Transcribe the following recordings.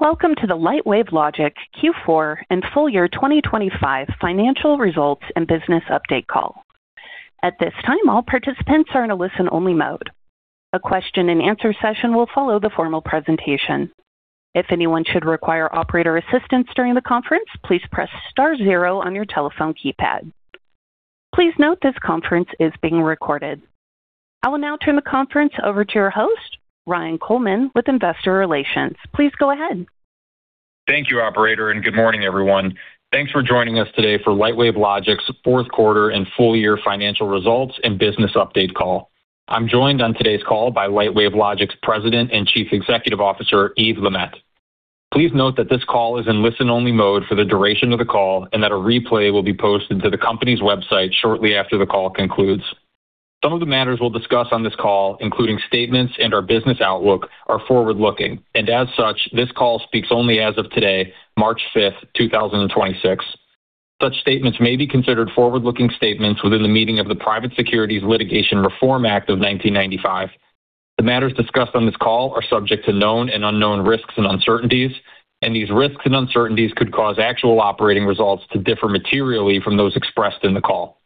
Welcome to the Lightwave Logic Q4 and Full Year 2025 Financial Results and Business Update Call. At this time, all participants are in a listen-only mode. A question and answer session will follow the formal presentation. If anyone should require operator assistance during the conference, please press star zero on your telephone keypad. Please note this conference is being recorded. I will now turn the conference over to your host, Ryan Coleman, with Investor Relations. Please go ahead. Thank you, operator. Good morning, everyone. Thanks for joining us today for Lightwave Logic's fourth quarter and full-year financial results and business update call. I'm joined on today's call by Lightwave Logic's President and Chief Executive Officer, Yves Lemaitre. Please note that this call is in listen-only mode for the duration of the call and that a replay will be posted to the company's website shortly after the call concludes. Some of the matters we'll discuss on this call, including statements and our business outlook, are forward-looking. As such, this call speaks only as of today, March 5, 2026. Such statements may be considered forward-looking statements within the meaning of the Private Securities Litigation Reform Act of 1995. The matters discussed on this call are subject to known and unknown risks and uncertainties, and these risks and uncertainties could cause actual operating results to differ materially from those expressed in the call.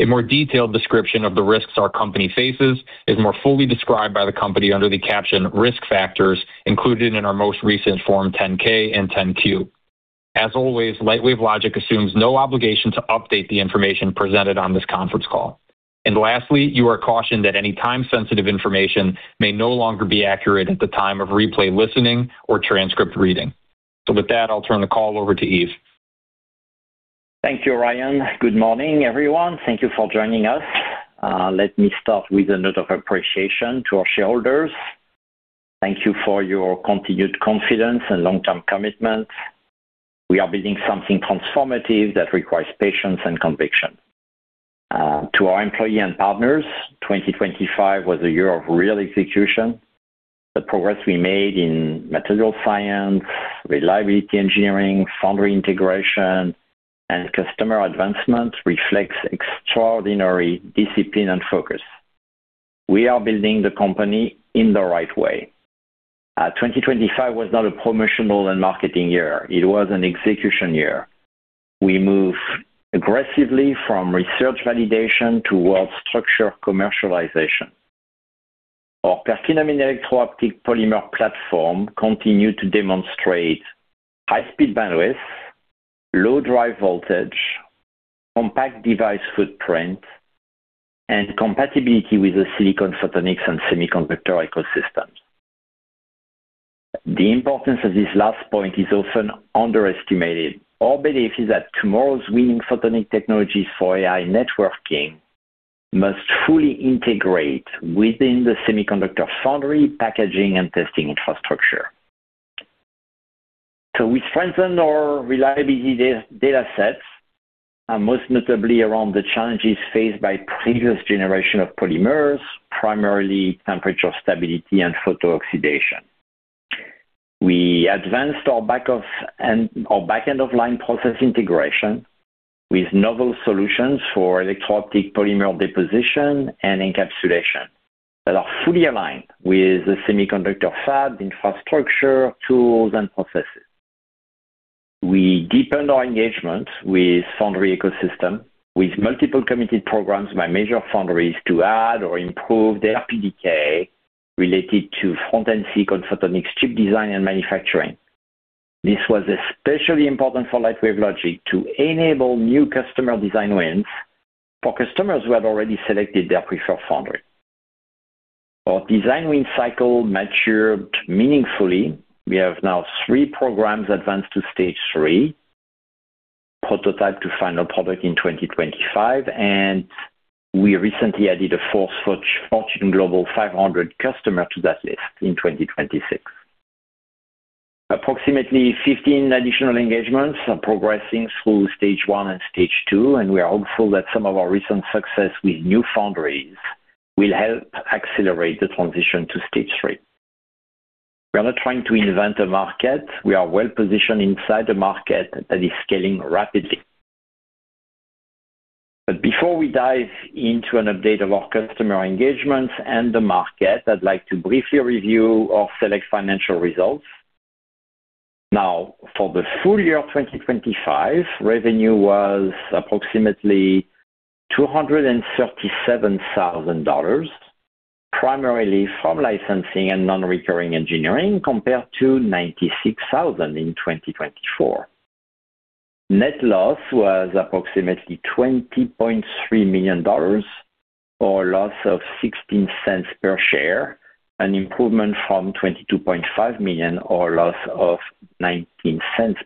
A more detailed description of the risks our company faces is more fully described by the company under the caption Risk Factors included in our most recent form 10-K and 10-Q. As always, Lightwave Logic assumes no obligation to update the information presented on this conference call. Lastly, you are cautioned that any time-sensitive information may no longer be accurate at the time of replay, listening, or transcript reading. With that, I'll turn the call over to Yves. Thank you, Ryan. Good morning, everyone. Thank you for joining us. Let me start with a note of appreciation to our shareholders. Thank you for your continued confidence and long-term commitment. We are building something transformative that requires patience and conviction. To our employee and partners, 2025 was a year of real execution. The progress we made in material science, reliability engineering, foundry integration, and customer advancement reflects extraordinary discipline and focus. We are building the company in the right way. 2025 was not a promotional and marketing year. It was an execution year. We move aggressively from research validation towards structure commercialization. Our Perkinamine electro-optic polymer platform continued to demonstrate high-speed bandwidth, low drive voltage, compact device footprint, and compatibility with the silicon photonics and semiconductor ecosystems. The importance of this last point is often underestimated. Our belief is that tomorrow's winning photonic technologies for AI networking must fully integrate within the semiconductor foundry, packaging, and testing infrastructure. We strengthened our reliability data sets, and most notably around the challenges faced by previous generation of polymers, primarily temperature stability and photo-oxidation. We advanced our back-end of line process integration with novel solutions for electronic polymer deposition and encapsulation that are fully aligned with the semiconductor fab infrastructure, tools, and processes. We deepened our engagement with foundry ecosystem, with multiple committed programs by major foundries to add or improve their PDK related to front-end silicon photonics chip design and manufacturing. This was especially important for Lightwave Logic to enable new customer design wins for customers who have already selected their preferred foundry. Our design win cycle matured meaningfully. We have now three programs advanced to stage three, prototype to final product in 2025. We recently added a 4th such Fortune Global 500 customer to that list in 2026. Approximately 15 additional engagements are progressing through stage one and stage two. We are hopeful that some of our recent success with new foundries will help accelerate the transition to stage three. We are not trying to invent a market. We are well-positioned inside a market that is scaling rapidly. Before we dive into an update of our customer engagements and the market, I'd like to briefly review our select financial results. For the full year of 2025, revenue was approximately $237,000, primarily from licensing and non-recurring engineering, compared to $96,000 in 2024. Net loss was approximately $20.3 million or a loss of $0.16 per share, an improvement from $22.5 million or a loss of $0.19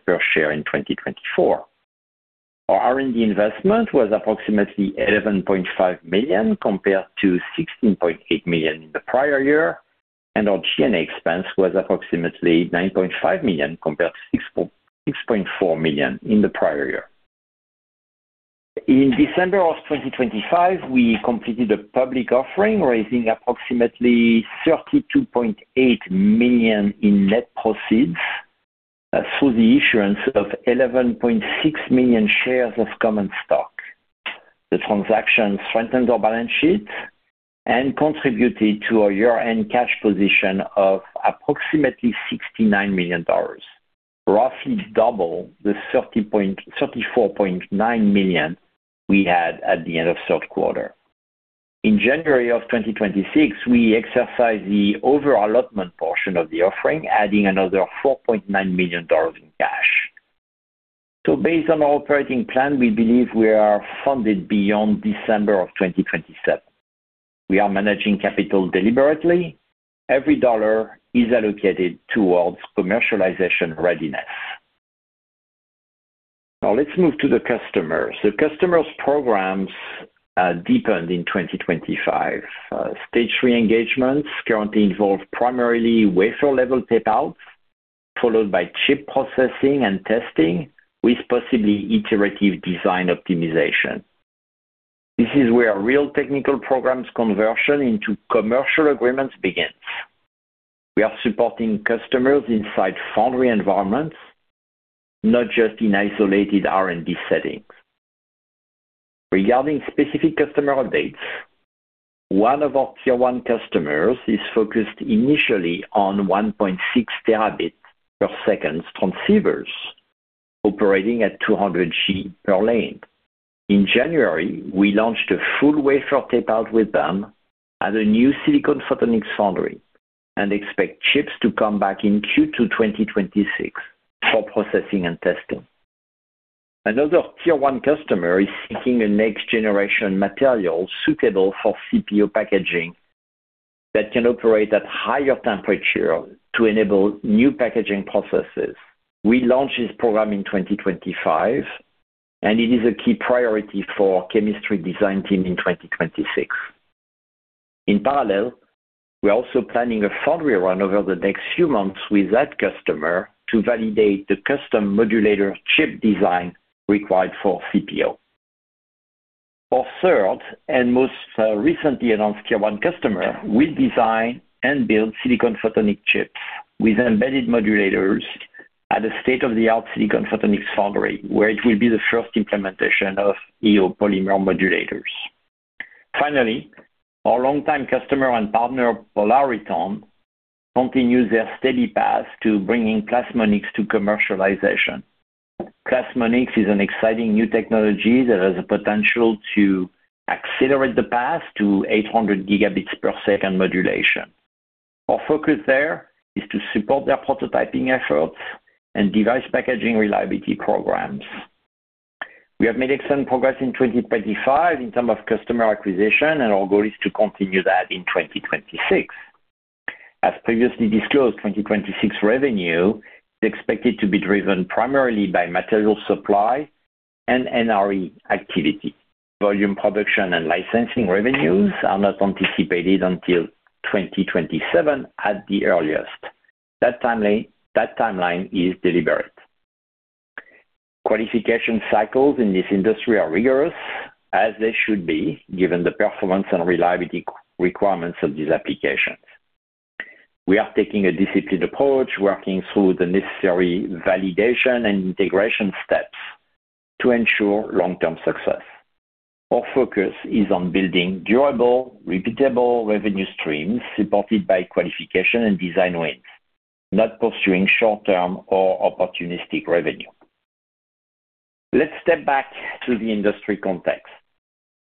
per share in 2024. Our R&D investment was approximately $11.5 million compared to $16.8 million in the prior year. Our G&A expense was approximately $9.5 million compared to $6.4 million in the prior year. In December of 2025, we completed a public offering, raising approximately $32.8 million in net proceeds through the issuance of 11.6 million shares of common stock. The transaction strengthened our balance sheet and contributed to our year-end cash position of approximately $69 million, roughly double the $34.9 million we had at the end of third quarter. In January of 2026, we exercised the over-allotment portion of the offering, adding another $4.9 million in cash. Based on our operating plan, we believe we are funded beyond December of 2027. We are managing capital deliberately. Every dollar is allocated towards commercialization readiness. Let's move to the customers. The customers programs deepened in 2025. Stage three engagements currently involve primarily wafer-level tape-outs, followed by chip processing and testing, with possibly iterative design optimization. This is where real technical programs conversion into commercial agreements begins. We are supporting customers inside foundry environments, not just in isolated R&D settings. Regarding specific customer updates, one of our tier one customers is focused initially on 1.6 terabits per second transceivers operating at 200 G per lane. In January, we launched a full wafer tape-out with them at a new silicon photonics foundry and expect chips to come back in Q2 2026 for processing and testing. Another tier one customer is seeking a next-generation material suitable for CPO packaging that can operate at higher temperature to enable new packaging processes. We launched this program in 2025, and it is a key priority for our chemistry design team in 2026. In parallel, we are also planning a foundry run over the next few months with that customer to validate the custom modulator chip design required for CPO. Our third and most recently announced tier one customer will design and build silicon photonics chips with embedded modulators at a state-of-the-art silicon photonics foundry, where it will be the first implementation of EO polymer modulators. Our longtime customer and partner, Polariton, continues their steady path to bringing plasmonics to commercialization. Plasmonics is an exciting new technology that has the potential to accelerate the path to 800 gigabits per second modulation. Our focus there is to support their prototyping efforts and device packaging reliability programs. We have made excellent progress in 2025 in terms of customer acquisition, and our goal is to continue that in 2026. As previously disclosed, 2026 revenue is expected to be driven primarily by material supply and NRE activity. Volume production and licensing revenues are not anticipated until 2027 at the earliest. That timeline is deliberate. Qualification cycles in this industry are rigorous, as they should be, given the performance and reliability requirements of these applications. We are taking a disciplined approach, working through the necessary validation and integration steps to ensure long-term success. Our focus is on building durable, repeatable revenue streams supported by qualification and design wins, not pursuing short-term or opportunistic revenue. Let's step back to the industry context.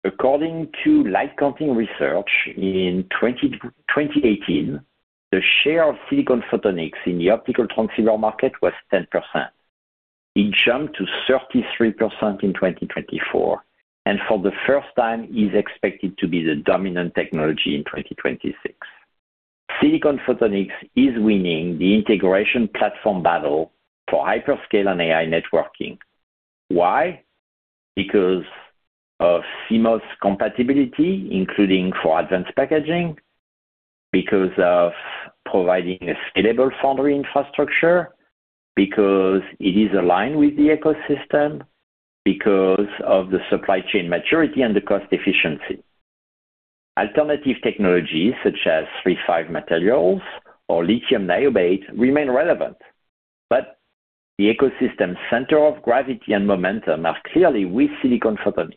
According to LightCounting Research, in 2018, the share of silicon photonics in the optical transceiver market was 10%. It jumped to 33% in 2024, and for the first time is expected to be the dominant technology in 2026. Silicon photonics is winning the integration platform battle for hyperscale and AI networking. Why? Because of CMOS compatibility, including for advanced packaging, because of providing a scalable foundry infrastructure, because it is aligned with the ecosystem, because of the supply chain maturity and the cost efficiency. Alternative technologies such as III-V materials or lithium niobate remain relevant, but the ecosystem center of gravity and momentum are clearly with silicon photonics.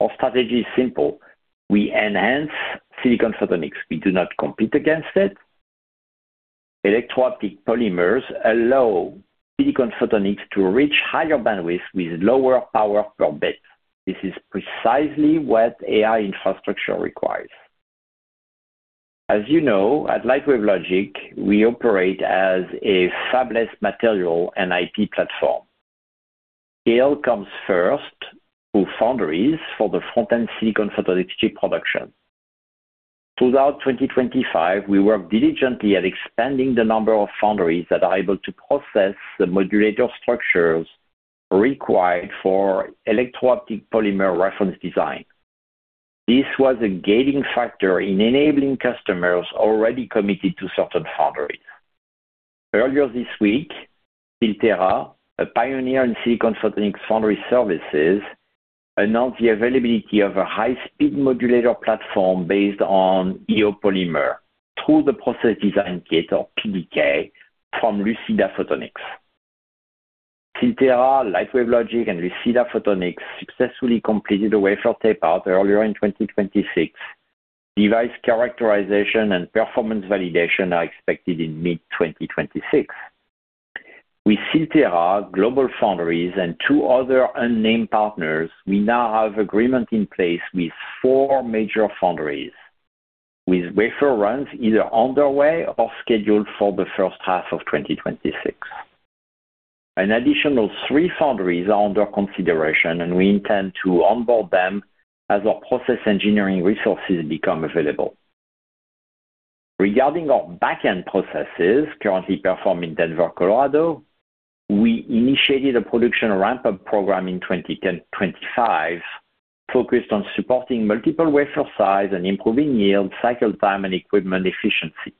Our strategy is simple. We enhance silicon photonics. We do not compete against it. Electro-optic polymers allow silicon photonics to reach higher bandwidth with lower power per bit. This is precisely what AI infrastructure requires. As you know, at Lightwave Logic, we operate as a fabless material and IP platform. Scale comes first through foundries for the front-end silicon photonics chip production. Throughout 2025, we worked diligently at expanding the number of foundries that are able to process the modulator structures required for electro-optic polymer reference design. This was a gating factor in enabling customers already committed to certain foundries. Earlier this week, Silterra, a pioneer in silicon photonics foundry services, announced the availability of a high-speed modulator platform based on EO polymer through the process design kit of PDK from Luceda Photonics. Silterra, Lightwave Logic, and Luceda Photonics successfully completed a wafer tape out earlier in 2026. Device characterization and performance validation are expected in mid-2026. With Silterra, GlobalFoundries, and two other unnamed partners, we now have agreement in place with four major foundries, with wafer runs either underway or scheduled for the first half of 2026. An additional three foundries are under consideration, and we intend to onboard them as our process engineering resources become available. Regarding our back-end processes currently performed in Denver, Colorado, we initiated a production ramp-up program in 2025 focused on supporting multiple wafer size and improving yield, cycle time, and equipment efficiency.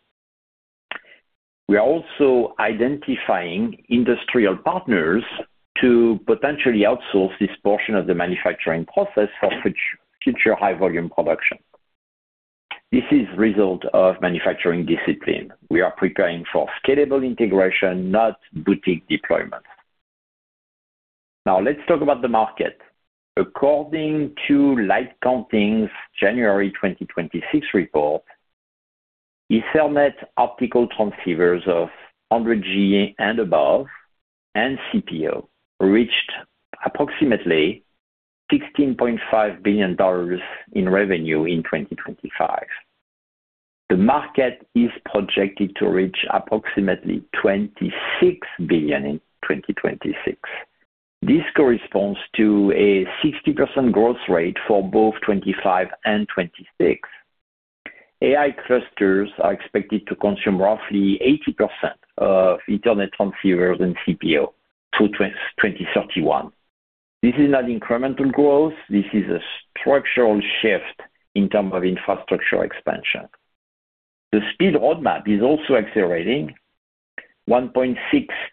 We are also identifying industrial partners to potentially outsource this portion of the manufacturing process for future high-volume production. This is result of manufacturing discipline. We are preparing for scalable integration, not boutique deployment. Now let's talk about the market. According to LightCounting's January 2026 report, Ethernet optical transceivers of 100G and above and CPO reached approximately $16.5 billion in revenue in 2025. The market is projected to reach approximately $26 billion in 2026. This corresponds to a 60% growth rate for both 2025 and 2026. AI clusters are expected to consume roughly 80% of Ethernet transceivers and CPO through 2031. This is not incremental growth. This is a structural shift in terms of infrastructure expansion. The speed roadmap is also accelerating. 1.6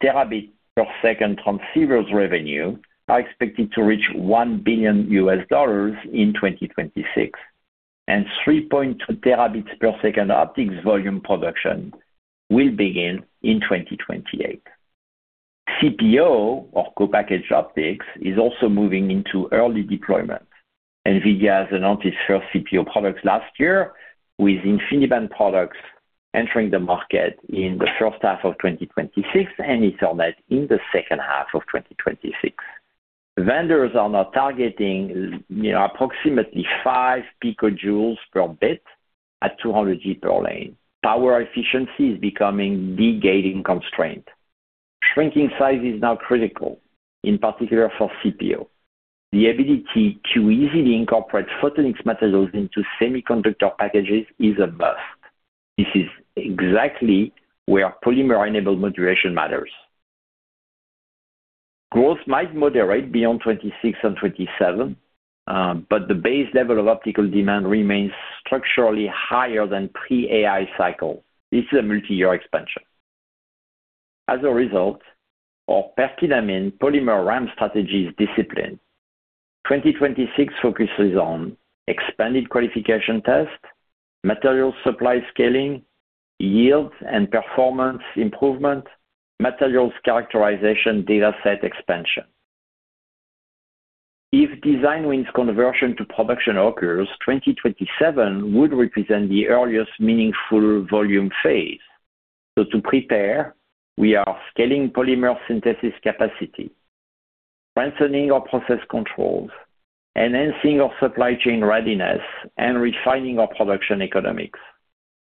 terabit per second transceivers revenue are expected to reach $1 billion in 2026, and 3.2 terabits per second optics volume production will begin in 2028. CPO or co-packaged optics is also moving into early deployment. Nvidia has announced its first CPO products last year, with InfiniBand products entering the market in the first half of 2026 and Ethernet in the second half of 2026. Vendors are now targeting, you know, approximately five picojoules per bit at 200 G per lane. Power efficiency is becoming the gating constraint. Shrinking size is now critical, in particular for CPO. The ability to easily incorporate photonics materials into semiconductor packages is a must. This is exactly where polymer-enabled modulation matters. Growth might moderate beyond 2026 and 2027, but the base level of optical demand remains structurally higher than pre-AI cycle. This is a multi-year expansion. As a result, our Perkinamine polymer RAM strategy is disciplined. 2026 focuses on expanded qualification test, material supply scaling, yield and performance improvement, materials characterization dataset expansion. If design wins conversion to production occurs, 2027 would represent the earliest meaningful volume phase. To prepare, we are scaling polymer synthesis capacity, strengthening our process controls, enhancing our supply chain readiness, and refining our production economics.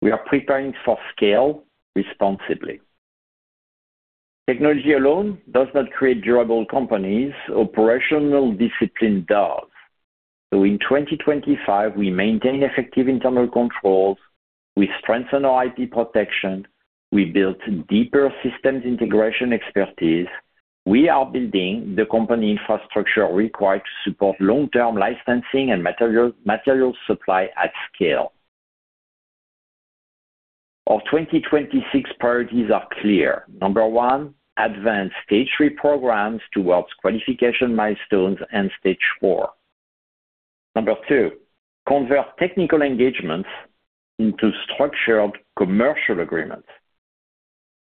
We are preparing for scale responsibly. Technology alone does not create durable companies. Operational discipline does. In 2025, we maintain effective internal controls. We strengthen our IP protection. We built deeper systems integration expertise. We are building the company infrastructure required to support long-term licensing and material supply at scale. Our 2026 priorities are clear. Number one, advance stage three programs towards qualification milestones and stage four. Number two, convert technical engagements into structured commercial agreements.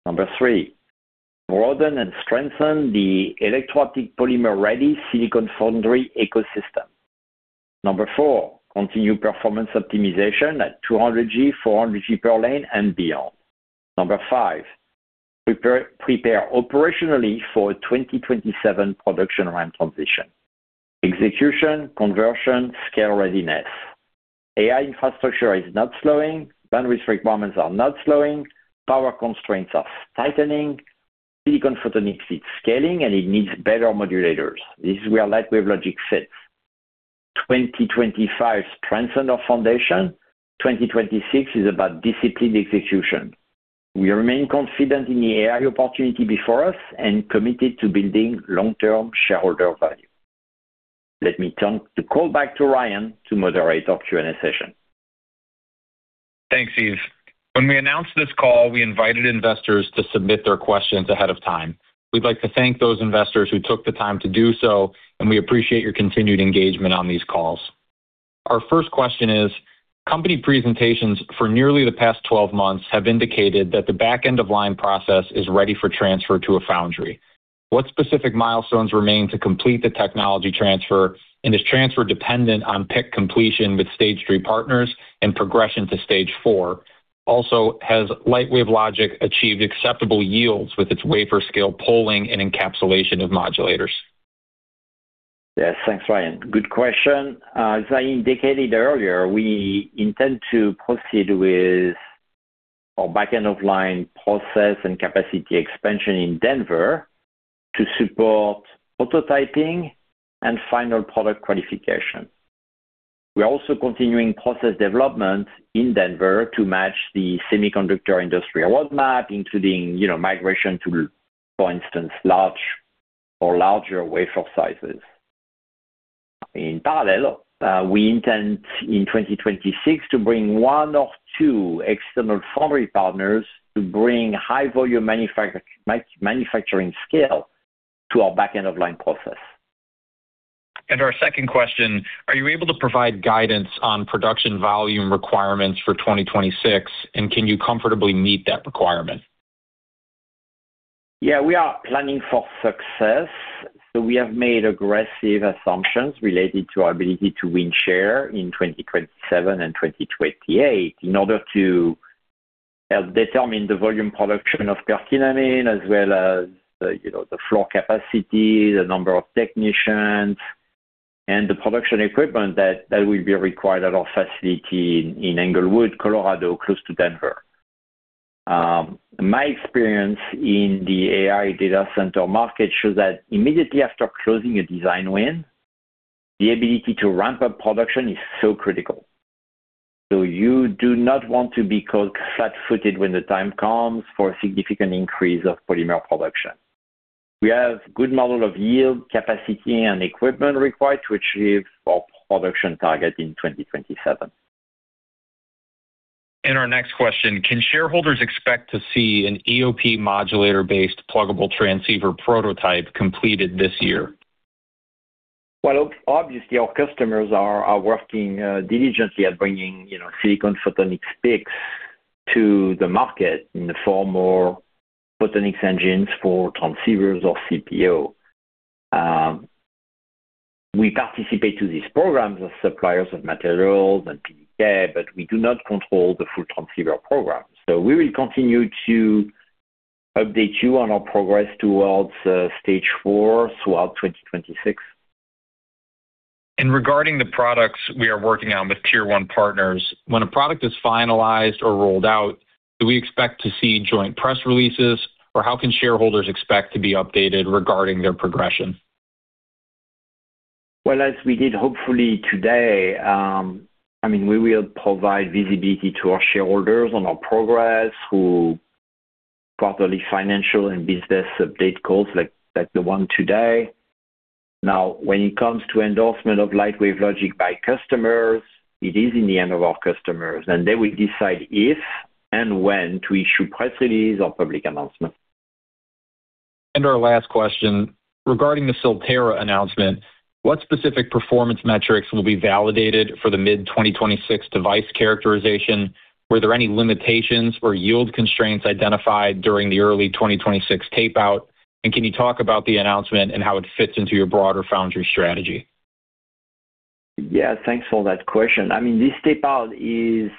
Number three, broaden and strengthen the electro-optic polymer-ready silicon foundry ecosystem. Number four, continue performance optimization at 200 G, 400 G per lane, and beyond. Number five, prepare operationally for a 2027 production ramp transition. Execution, conversion, scale readiness. AI infrastructure is not slowing. Bandwidth requirements are not slowing. Power constraints are tightening. silicon photonics is scaling, and it needs better modulators. This is where Lightwave Logic sits. 2025 strengthened our foundation. 2026 is about disciplined execution. We remain confident in the AI opportunity before us and committed to building long-term shareholder value. Let me turn the call back to Ryan to moderate our Q&A session. Thanks, Yves. When we announced this call, we invited investors to submit their questions ahead of time. We'd like to thank those investors who took the time to do so, and we appreciate your continued engagement on these calls. Our first question is: company presentations for nearly the past 12 months have indicated that the back-end of line process is ready for transfer to a foundry. What specific milestones remain to complete the technology transfer, and is transfer dependent on PIC completion with stage three partners and progression to stage four? Has Lightwave Logic achieved acceptable yields with its wafer scale poling and encapsulation of modulators? Yes, thanks, Ryan. Good question. As I indicated earlier, we intend to proceed with our back-end of line process and capacity expansion in Denver to support prototyping and final product qualification. We are also continuing process development in Denver to match the semiconductor industry roadmap, including, you know, migration to, for instance, large or larger wafer sizes. In parallel, we intend in 2026 to bring one of two external foundry partners to bring high volume manufacturing scale to our back-end of line process. Our second question: are you able to provide guidance on production volume requirements for 2026, and can you comfortably meet that requirement? We are planning for success, so we have made aggressive assumptions related to our ability to win share in 2027 and 2028 in order to help determine the volume production of Perkinamine, as well as, you know, the floor capacity, the number of technicians, and the production equipment that will be required at our facility in Englewood, Colorado, close to Denver. My experience in the AI data center market shows that immediately after closing a design win, the ability to ramp up production is so critical. You do not want to be caught flat-footed when the time comes for a significant increase of polymer production. We have good model of yield, capacity, and equipment required to achieve our production target in 2027. Our next question: can shareholders expect to see an EOP modulator-based pluggable transceiver prototype completed this year? Well, obviously, our customers are working diligently at bringing, you know, silicon photonic PICs to the market in the form of photonics engines for transceivers or CPO. We participate to these programs as suppliers of materials and PDK, but we do not control the full transceiver program. We will continue to update you on our progress towards stage four throughout 2026. Regarding the products we are working on with tier one partners, when a product is finalized or rolled out, do we expect to see joint press releases, or how can shareholders expect to be updated regarding their progression? Well, as we did hopefully today, I mean, we will provide visibility to our shareholders on our progress through quarterly financial and business update calls like the one today. When it comes to endorsement of Lightwave Logic by customers, it is in the end of our customers, and they will decide if and when to issue press release or public announcement. Our last question: regarding the Silterra announcement, what specific performance metrics will be validated for the mid-2026 device characterization? Were there any limitations or yield constraints identified during the early 2026 tapeout? Can you talk about the announcement and how it fits into your broader foundry strategy? Yeah. Thanks for that question. I mean, this tapeout is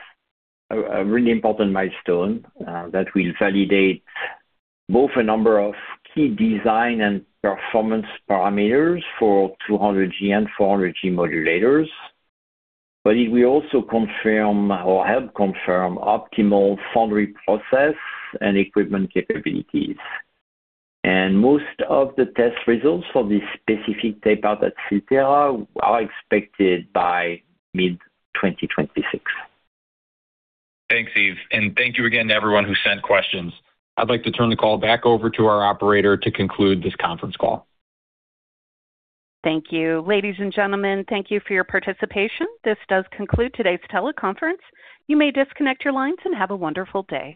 a really important milestone, that will validate both a number of key design and performance parameters for 200G and 400G modulators. It will also confirm or help confirm optimal foundry process and equipment capabilities. Most of the test results for this specific tapeout at Silterra are expected by mid-2026. Thanks, Yves, and thank you again to everyone who sent questions. I'd like to turn the call back over to our operator to conclude this conference call. Thank you. Ladies and gentlemen, thank you for your participation. This does conclude today's teleconference. You may disconnect your lines, and have a wonderful day.